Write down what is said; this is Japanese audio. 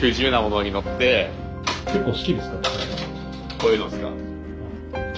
こういうのですか？